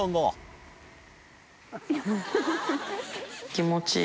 気持ちいい。